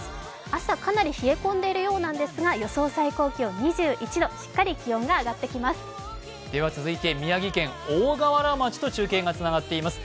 朝かなり冷え込んでいるようなんですが、予想最高気温２１度、しっかり気温が上がってきます。